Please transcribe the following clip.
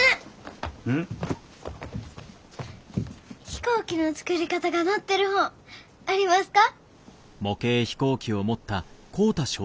飛行機の作り方が載ってる本ありますか？